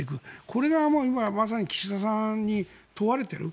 これが今まさに岸田さんに問われている。